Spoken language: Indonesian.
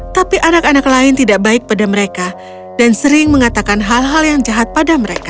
tapi anak anak lain tidak baik pada mereka dan sering mengatakan hal hal yang jahat pada mereka